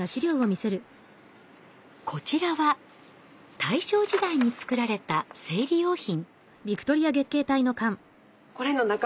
こちらは大正時代につくられた生理用品。